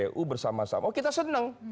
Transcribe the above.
kpu bersama sama oh kita seneng